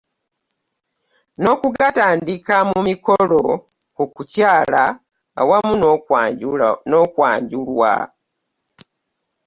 N'okugatandika mu mikolo gy'okukyala awamu n'okwanjulwa.